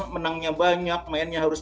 menangnya banyak pemainnya harus